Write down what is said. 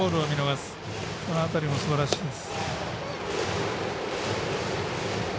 その辺りもすばらしいです。